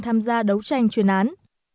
tham gia đấu tranh chuyên án